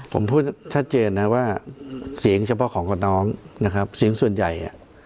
ผมพูดชัดเจนนะว่าเสียงเฉพาะของกับน้องนะครับเสียงส่วนใหญ่